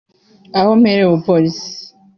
Aho mperewe ubupasitori